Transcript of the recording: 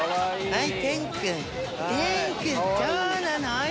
はい。